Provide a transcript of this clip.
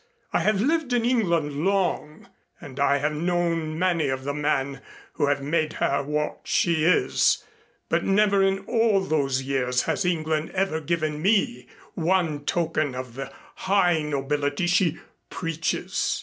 I have lived in England long, and I have known many of the men who have made her what she is, but never in all those years has England ever given me one token of the high nobility she preaches.